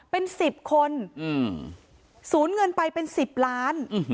เป็น๑๐คนสูญเงินไปเป็น๑๐ล้าน